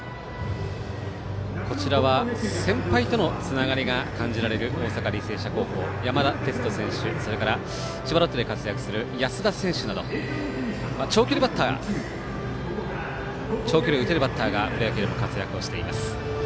こちらは先輩とのつながりが感じられる大阪履正社高校山田哲人選手、それから千葉ロッテで活躍する安田選手など長距離を打てるバッターがプロ野球でも活躍しています。